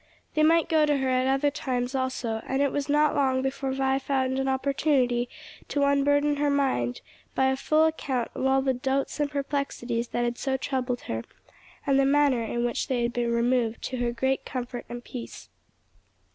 They might go to her at other times also, and it was not long before Vi found an opportunity to unburden her mind by a full account of all the doubts and perplexities that had so troubled her, and the manner in which they had been removed, to her great comfort and peace.